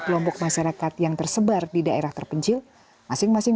kelompok masyarakat yang tersebar di daerah terpencil masing masing